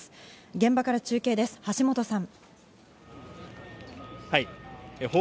現場から中継です、橋本さん。